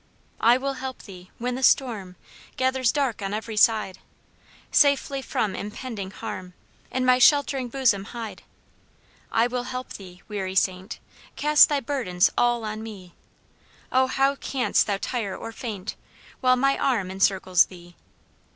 "I will help thee" when the storm Gathers dark on every side; Safely from impending harm, In my sheltering bosom hide. "I will help thee," weary saint, Cast thy burdens ALL ON ME; Oh, how cans't thou tire or faint, While my arm encircles thee.